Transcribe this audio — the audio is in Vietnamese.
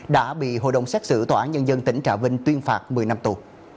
đã bị hội đồng xét xử tòa án nhân dân tỉnh trà vinh tuyên phạt một mươi năm tù